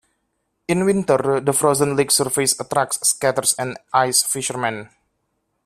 In winter, the frozen lake surface attracts skaters and ice-fishermen.